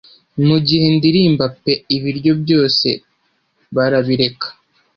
Mugihe ndirimba pe Ibiryo byose bara bireka